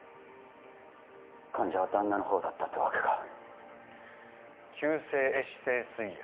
患者は旦那の方だったってわけか急性壊死性膵炎